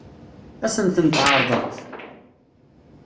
Ad sen-ten-tɛeṛḍemt?